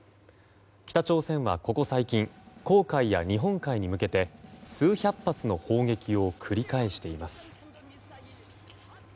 北朝鮮はここ最近黄海や日本海に向けて数百発の砲撃を繰り返しています。